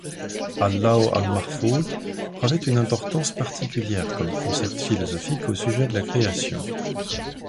Al-Lawh al-Mahfoûdh revêt une importance particulière comme concept philosophique au sujet de la création.